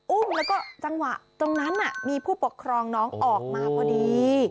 อุ้มแล้วก็จังหวะตรงนั้นมีผู้ปกครองน้องออกมาพอดี